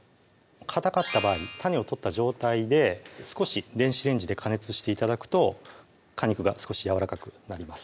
かたかった場合種を取った状態で少し電子レンジで加熱して頂くと果肉が少しやわらかくなります